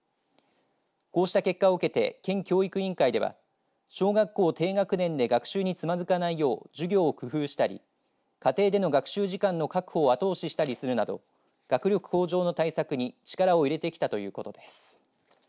こうした結果を受けて県教育委員会では小学校低学年で学習につまずかないよう授業を工夫したり家庭での学習時間の確保を後押ししたりするなど学力向上の対策に力を入れてきたということです。